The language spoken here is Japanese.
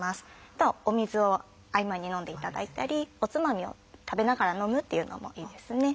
あとお水を合間に飲んでいただいたりおつまみを食べながら飲むというのもいいですね。